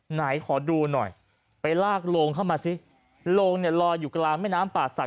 ไหนขอดูหน่อยไปลากโลงเข้ามาสิโรงเนี่ยลอยอยู่กลางแม่น้ำป่าศักด